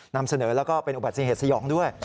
นำเสนอแล้วก็เป็นอุบัติเหตุสยองด้วย